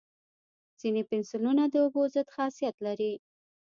ځینې پنسلونه د اوبو ضد خاصیت لري.